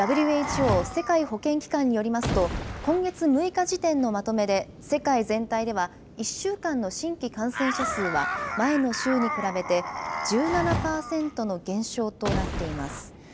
ＷＨＯ・世界保健機関によりますと、今月６日時点のまとめで、世界全体では１週間の新規感染者数は、前の週に比べて１７％の減少となっています。